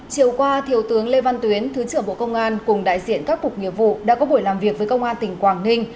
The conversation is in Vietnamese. chiều qua thiếu tướng lê văn tuyến thứ trưởng bộ công an cùng đại diện các cục nghiệp vụ đã có buổi làm việc với công an tỉnh quảng ninh